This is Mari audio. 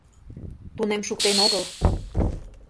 Тунем шуктен огыл...